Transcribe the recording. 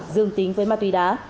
dương tính với ma túy đá